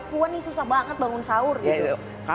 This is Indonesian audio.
wah ini susah banget bangun sahur gitu